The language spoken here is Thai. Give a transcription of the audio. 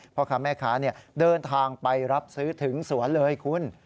พ่อค้าแม่ค้าเดินทางไปรับซื้อถึงสวนเลยคุณ